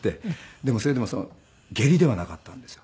でもそれでも下痢ではなかったんですよ。